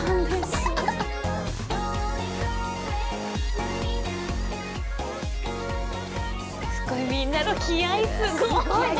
すごいみんなの気合いすごい。